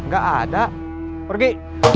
gak ada pergi